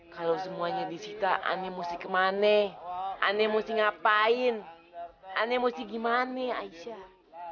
kalau semuanya disita ane mesti kemana ane mesti ngapain ane mesti gimana aisyah